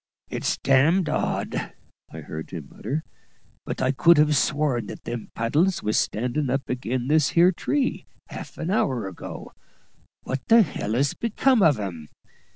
"It's d d odd," I heard him mutter; "but I could have sworn that them paddles was standin' up ag'in this here tree, half an hour ago; what the h l's become of 'em?